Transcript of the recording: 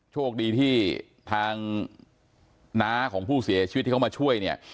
โชคดีที่ทางน้าของผู้เสียชีวิตที่เขามาช่วยเนี่ย